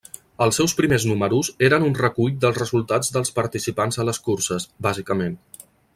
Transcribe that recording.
Els seus primers números eren un recull dels resultats dels participants a les curses, bàsicament.